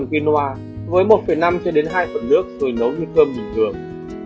hạt quinoa với một năm hai phần nước rồi nấu như cơm bình thường